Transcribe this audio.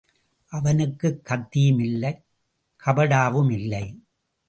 அவனுக்குக் கத்தியும் இல்லை கபடாவும் இல்லை.